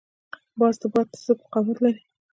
باز د باد ضد مقاومت لري